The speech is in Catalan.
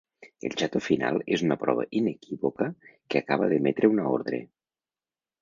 El xato final és una prova inequívoca que acaba d'emetre una ordre.